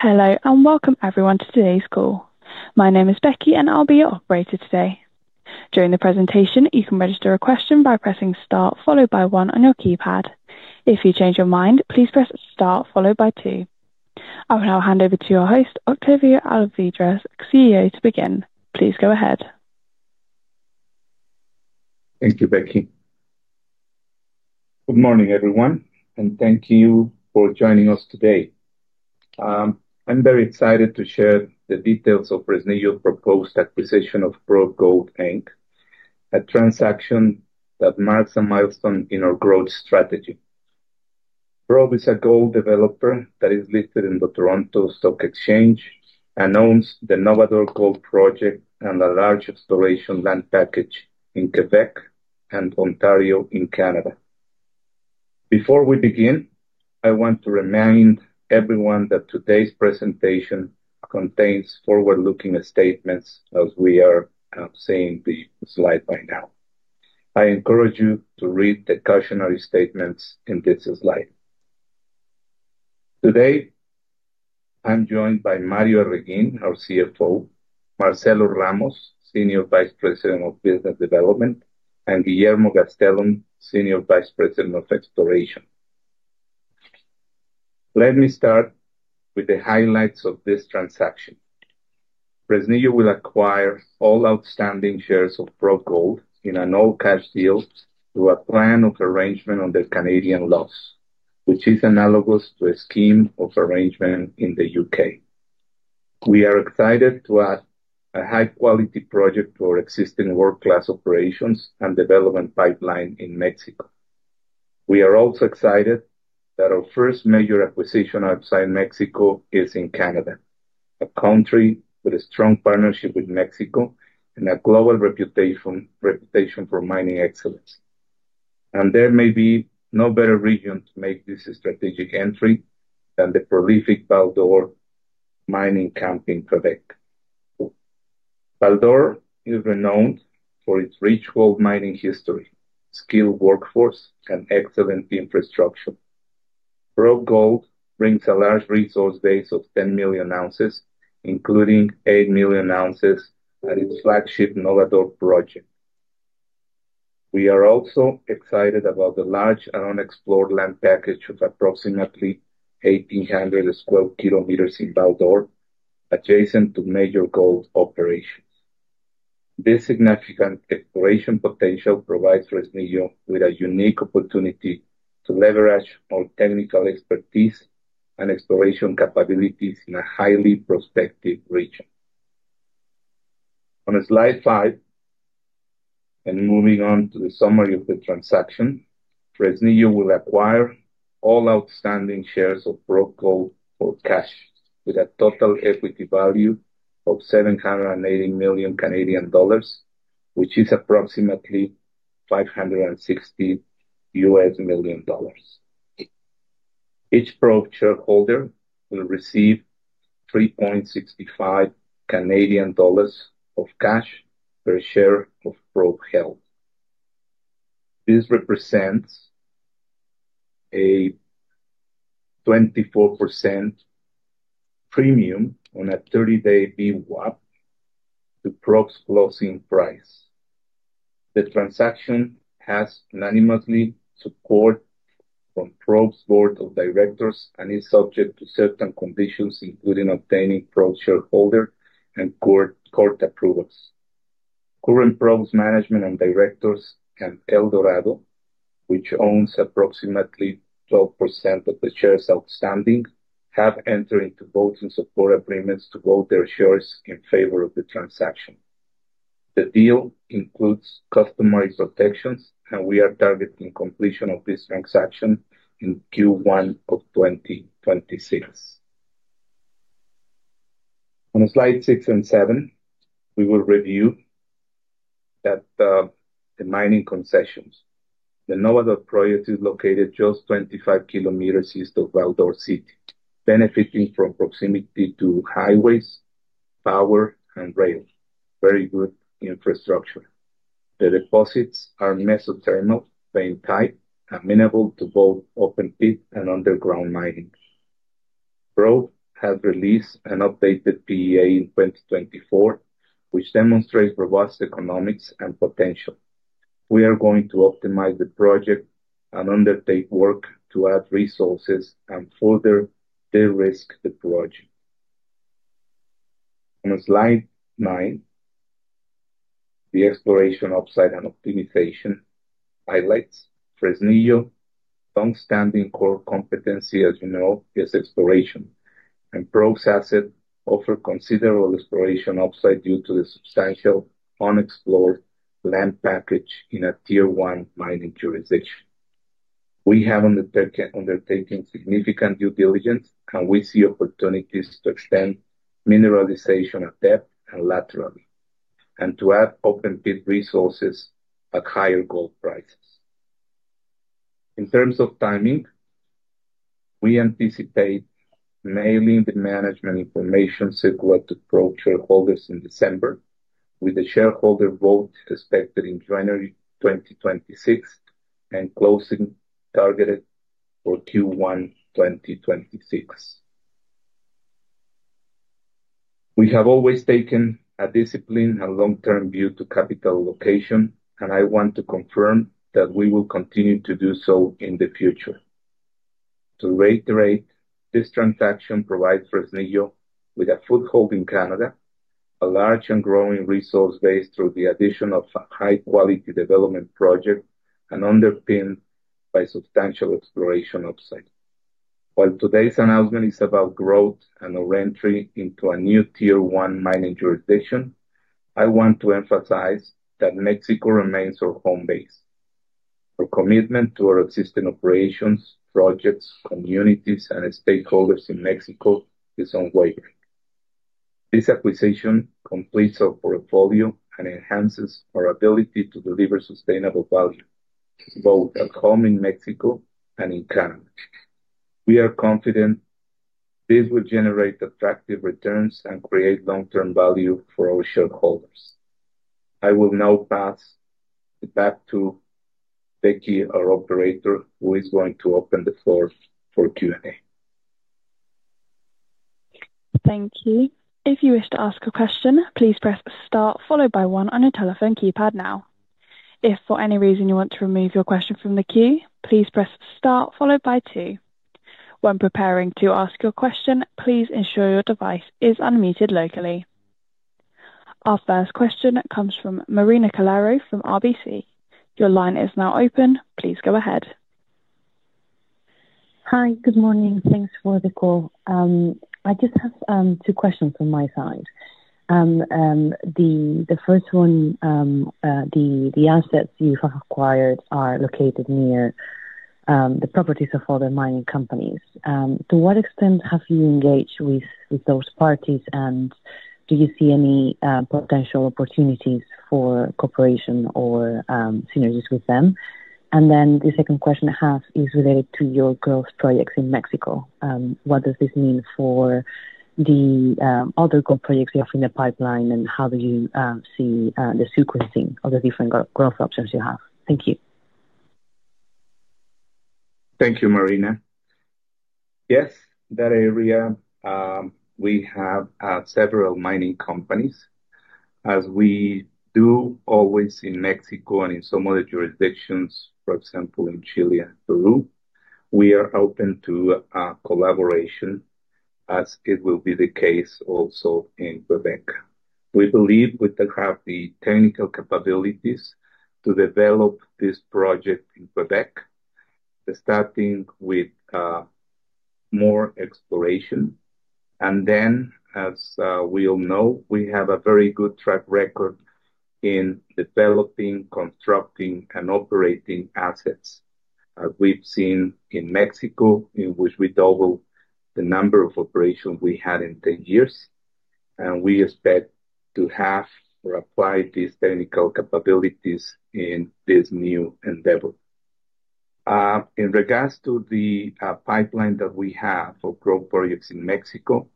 Hello and welcome everyone to today's call. My name is Becky and I'll be your operator today. During the presentation, you can register a question by pressing star followed by one on your keypad. If you change your mind, please press star followed by two. I will now hand over to your host, Octavio Alvídrez, CEO, to begin. Please go ahead. Thank you, Becky. Good morning everyone, and thank you for joining us today. I'm very excited to share the details of Fresnillo's proposed acquisition of Probe Gold Inc., a transaction that marks a milestone in our growth strategy. Probe is a gold developer that is listed on the Toronto Stock Exchange and owns the Novador Gold Project and a large exploration land package in Quebec and Ontario in Canada. Before we begin, I want to remind everyone that today's presentation contains forward-looking statements as we are seeing the slide right now. I encourage you to read the cautionary statements in this slide. Today, I'm joined by Mario Arreguín, our CFO, Marcelo Ramos, Senior Vice President of Business Development, and Guillermo Gastelum, Senior Vice President of Exploration. Let me start with the highlights of this transaction. Fresnillo will acquire all outstanding shares of Probe Gold in an all-cash deal through a Canadian plan of arrangement under Canadian laws, which is analogous to a scheme of arrangement in the U.K. We are excited to add a high-quality project to our existing world-class operations and development pipeline in Mexico. We are also excited that our first major acquisition outside Mexico is in Canada, a country with a strong partnership with Mexico and a global reputation for mining excellence. There may be no better region to make this strategic entry than the prolific Val-d'Or Mining Camp in Quebec. Val-d'Or is renowned for its rich gold mining history, skilled workforce, and excellent infrastructure. Probe Gold brings a large resource base of 10 million ounces, including 8 million ounces at its flagship Novador Gold Project. We are also excited about the large and unexplored land package of approximately 1,800 sq km in Val-d'Or, adjacent to major gold operations. This significant exploration potential provides Fresnillo with a unique opportunity to leverage our technical expertise and exploration capabilities in a highly prospective region. On slide five, and moving on to the summary of the transaction, Fresnillo will acquire all outstanding shares of Probe Gold for cash with a total equity value of 780 million Canadian dollars, which is approximately $560 million. Each Probe shareholder will receive 3.65 Canadian dollars of cash per share of Probe held. This represents a 24% premium on a 30-day VWAP to Probe's closing price. The transaction has unanimous support. From Probe's board of directors and is subject to certain conditions, including obtaining Probe shareholder and court approvals. Current Probe's management and directors, and Eldorado, which owns approximately 12% of the shares outstanding, have entered into voting support agreements to vote their shares in favor of the transaction. The deal includes customary protections, and we are targeting completion of this transaction in Q1 of 2026. On slide six and seven, we will review the mining concessions. The Novador Gold Project is located just 25 kilometers east of Val-d'Or, benefiting from proximity to highways, power, and rail, very good infrastructure. The deposits are mesothermal, vein-type, amenable to both open-pit and underground mining. Probe has released an updated PEA in 2024, which demonstrates robust economics and potential. We are going to optimize the project and undertake work to add resources and further de-risk the project. On slide nine, the exploration upside and optimization highlights Fresnillo's long-standing core competency, as you know, is exploration. Probe's assets offer considerable exploration upside due to the substantial unexplored land package in a tier-one mining jurisdiction. We have undertaken significant due diligence, and we see opportunities to extend mineralization at depth and laterally, and to add open-pit resources at higher gold prices. In terms of timing, we anticipate mailing the management information circular to Probe shareholders in December, with the shareholder vote expected in January 2026 and closing targeted for Q1 2026. We have always taken a disciplined and long-term view to capital allocation, and I want to confirm that we will continue to do so in the future. To reiterate, this transaction provides Fresnillo with a foothold in Canada, a large and growing resource base through the addition of a high-quality development project and underpinned by substantial exploration upside. While today's announcement is about growth and our entry into a new tier-one mining jurisdiction, I want to emphasize that Mexico remains our home base. Our commitment to our existing operations, projects, communities, and stakeholders in Mexico is unwavering. This acquisition completes our portfolio and enhances our ability to deliver sustainable value, both at home in Mexico and in Canada. We are confident this will generate attractive returns and create long-term value for our shareholders. I will now pass it back to. Becky, our operator, who is going to open the floor for Q&A. Thank you. If you wish to ask a question, please press star followed by one on your telephone keypad now. If for any reason you want to remove your question from the queue, please press star followed by two. When preparing to ask your question, please ensure your device is unmuted locally. Our first question comes from Marina Calero from RBC. Your line is now open. Please go ahead. Hi, good morning. Thanks for the call. I just have two questions on my side. The first one, the assets you have acquired are located near the properties of other mining companies. To what extent have you engaged with those parties, and do you see any potential opportunities for cooperation or synergies with them? The second question I have is related to your growth projects in Mexico. What does this mean for the other gold projects you have in the pipeline, and how do you see the sequencing of the different growth options you have? Thank you. Thank you, Marina. Yes, that area. We have several mining companies. As we do always in Mexico and in some other jurisdictions, for example, in Chile and Peru, we are open to collaboration, as it will be the case also in Quebec. We believe we have the technical capabilities to develop this project in Quebec, starting with more exploration. As we all know, we have a very good track record in developing, constructing, and operating assets, as we've seen in Mexico, in which we doubled the number of operations we had in 10 years. We expect to have or apply these technical capabilities in this new endeavor. In regards to the pipeline that we have for growth projects in Mexico,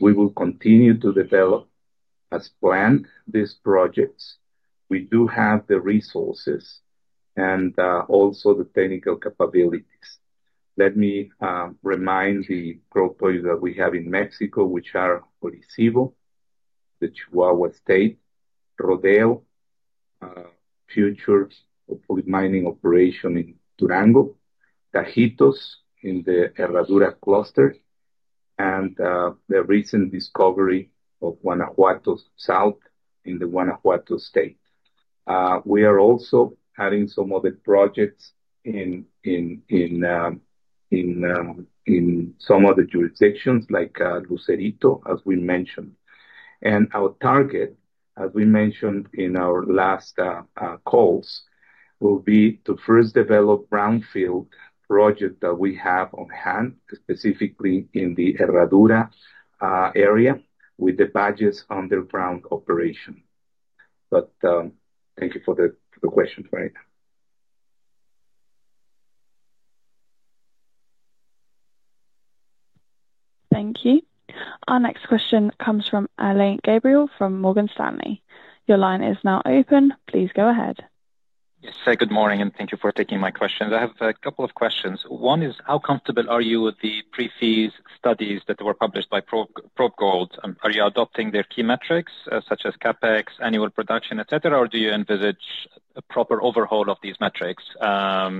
we will continue to develop as planned these projects. We do have the resources and also the technical capabilities. Let me remind the growth projects that we have in Mexico, which are Orisyvo in the Chihuahua State, Rodeo, future mining operation in Durango, Tajitos in the Herradura cluster, and the recent discovery of Guanajuato South in the Guanajuato State. We are also adding some other projects in some of the jurisdictions like Lucerito, as we mentioned. Our target, as we mentioned in our last calls, will be to first develop a brownfield project that we have on hand, specifically in the Herradura area with the Badajós underground operation. Thank you for the question for it. Thank you. Our next question comes from Alain Gabriel from Morgan Stanley. Your line is now open. Please go ahead. Yes, hi, good morning, and thank you for taking my questions. I have a couple of questions. One is, how comfortable are you with the pre-feasibility studies that were published by Probe Gold? Are you adopting their key metrics, such as CapEx, annual production, etc., or do you envisage a proper overhaul of these metrics? I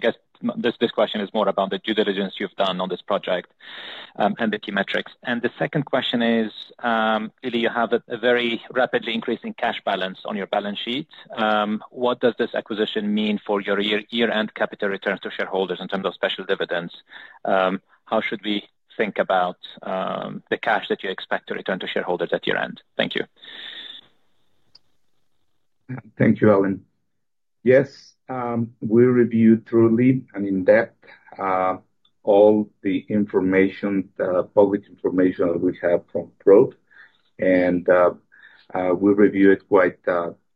guess this question is more about the due diligence you've done on this project and the key metrics. The second question is, you have a very rapidly increasing cash bAlaince on your bAlaince sheet. What does this acquisition mean for your year-end capital returns to shareholders in terms of special dividends? How should we think about the cash that you expect to return to shareholders at year-end? Thank you. Thank you, Alain. Yes, we reviewed thoroughly and in-depth all the information, the public information that we have from Probe. We reviewed it quite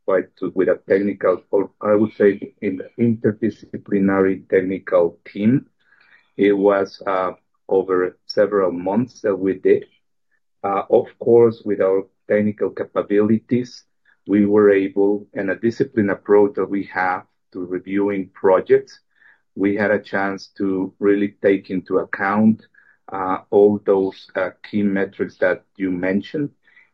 with a technical, I would say, interdisciplinary technical team. It was over several months that we did. Of course, with our technical capabilities and a disciplined approach that we have to reviewing projects, we had a chance to really take into account all those key metrics that you mentioned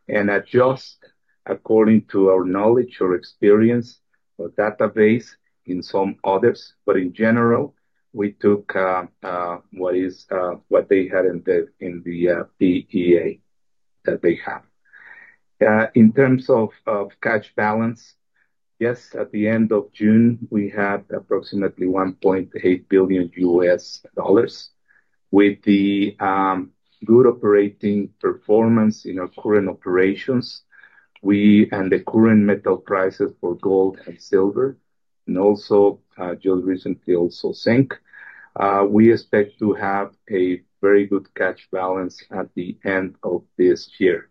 and adjust according to our knowledge, our experience, our database, and some others. In general, we took what they had in the PEA that they have. In terms of cash balance, yes, at the end of June, we had approximately $1.8 billion with the good operating performance in our current operations. With the current metal prices for gold and silver, and also just recently also zinc, we expect to have a very good cash bAlaince at the end of this year.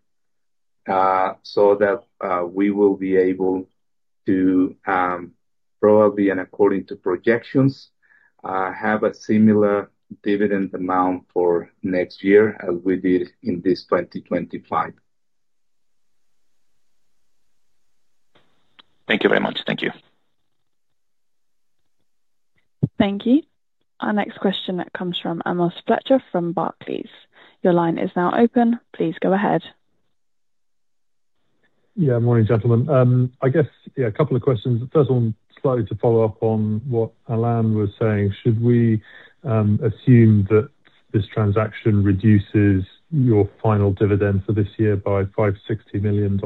That way, we will be able to probably, and according to projections, have a similar dividend amount for next year as we did in this 2025. Thank you very much. Thank you. Thank you. Our next question comes from Amos Fletcher from Barclays. Your line is now open. Please go ahead. Yeah, morning, gentlemen. I guess a couple of questions. The first one, slightly to follow up on what Alain was saying. Should we assume that this transaction reduces your final dividend for this year by $560 million?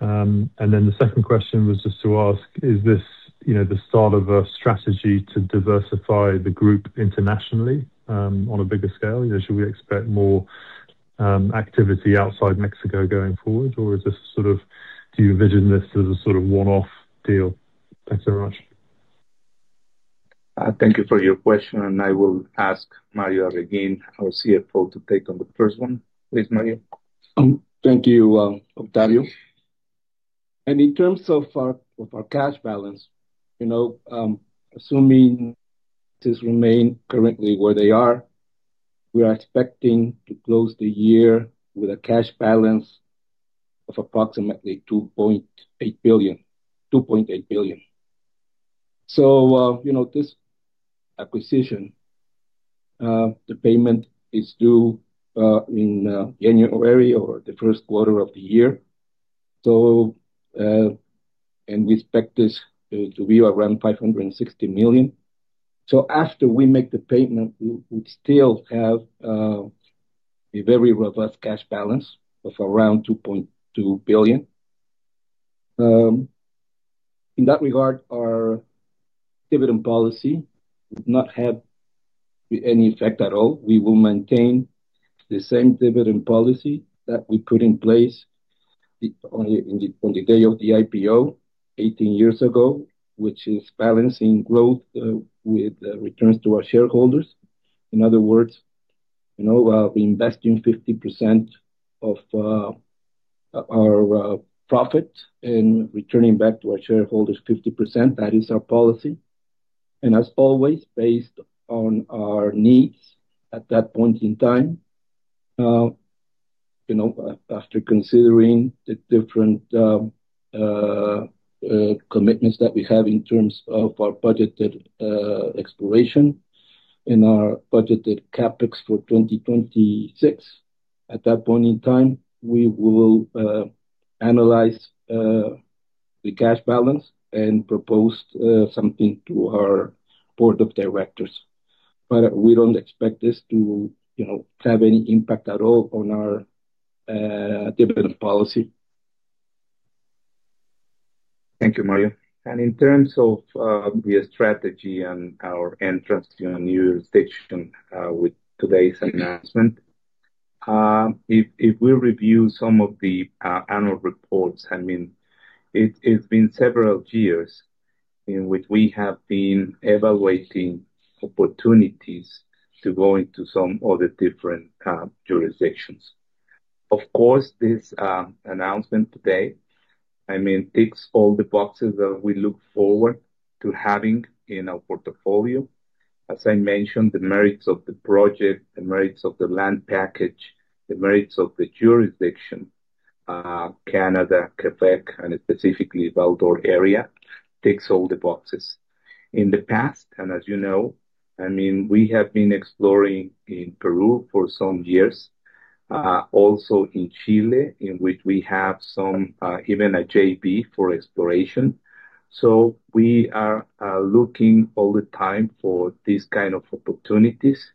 The second question was just to ask, is this the start of a strategy to diversify the group internationally on a bigger scale? Should we expect more activity outside Mexico going forward, or do you envision this as a sort of one-off deal? Thanks very much. Thank you for your question. I will ask Mario Arreguín, our CFO, to take on the first one. Please, Mario. Thank you, Octavio. In terms of our cash bAlaince, assuming this remain currently where they are, we are expecting to close the year with a cash bAlaince of approximately $2.8 billion. This acquisition, the payment is due in January or the first quarter of the year, and we expect this to be around $560 million. After we make the payment, we would still have a very robust cash bAlaince of around $2.2 billion. In that regard, our dividend policy would not have any effect at all. We will maintain the same dividend policy that we put in place on the day of the IPO 18 years ago, which is bAlaincing growth with returns to our shareholders. In other words, we invest in 50% of our profit and returning back to our shareholders 50%. That is our policy, and as always, based on our needs at that point in time. After considering the different commitments that we have in terms of our budgeted exploration and our budgeted CapEx for 2026, at that point in time, we will analyze the cash bAlaince and propose something to our board of directors. We don't expect this to have any impact at all on our dividend policy. Thank you, Mario. In terms of the strategy and our entrance to a new jurisdiction with today's announcement, if we review some of the annual reports, it's been several years in which we have been evaluating opportunities to go into some other different jurisdictions. This announcement today ticks all the boxes that we look forward to having in our portfolio. As I mentioned, the merits of the project, the merits of the land package, the merits of the jurisdiction. Canada, Quebec, and specifically the Val-d'Or area, ticks all the boxes. In the past, as you know, we have been exploring in Peru for some years, also in Chile, in which we have even a JV for exploration. We are looking all the time for these kinds of opportunities.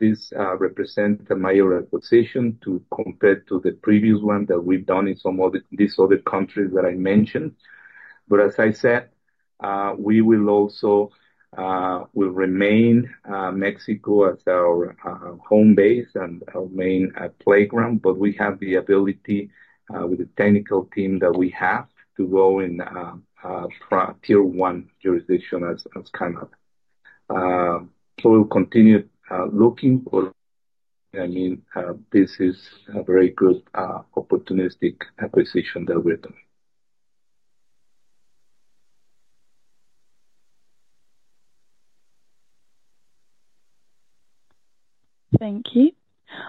This represents a major acquisition compared to the previous one that we've done in some of these other countries that I mentioned. As I said, we will also remain Mexico as our home base and our main playground, but we have the ability with the technical team that we have to go in Tier-One Jurisdiction as Canada. We'll continue looking for, I mean, this is a very good opportunistic acquisition that we're doing. Thank you.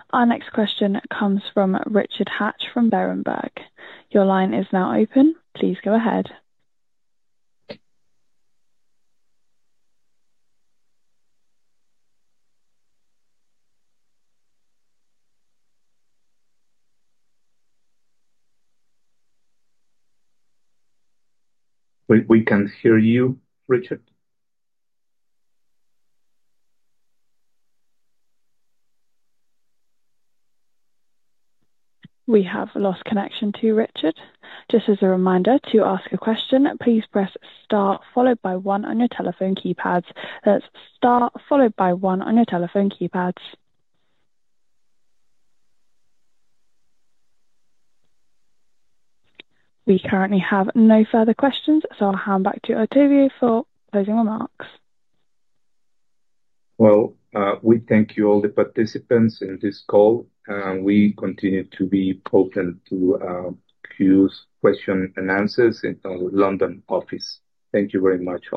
Our next question comes from Richard Hatch from Berenberg. Your line is now open. Please go ahead. We can hear you, Richard. We have lost connection to Richard. Just as a reminder, to ask a question, please press star followed by one on your telephone keypads. That's star followed by one on your telephone keypads. We currently have no further questions, so I'll hand back to Octavio for closing remarks. Thank you all, the participants in this call. We continue to be open to questions and answers in our London office. Thank you very much.